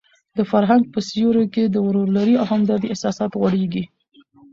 د فرهنګ په سیوري کې د ورورولۍ او همدردۍ احساسات غوړېږي.